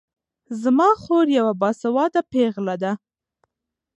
زما خور يوه باسواده پېغله ده